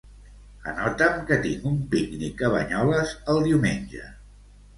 Anota'm que tinc un pícnic a Banyoles el diumenge.